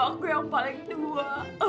aku yang paling dua